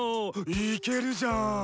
いけるじゃん。